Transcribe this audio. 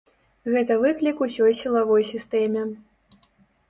Гэта выклік усёй сілавой сістэме.